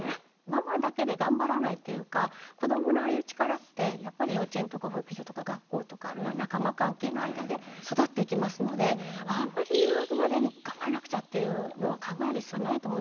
ママだけで頑張らないっていうか子どものああいう力ってやっぱり幼稚園とか保育所とか学校とかあるいは仲間関係の間で育っていきますのであんまり入学までに頑張らなくちゃっていうのは考える必要ないと思います。